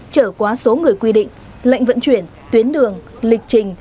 trở quá số người quy định lệnh vận chuyển tuyến đường lịch trình